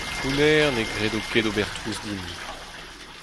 Honnezh ne gredo ket ober trouz din!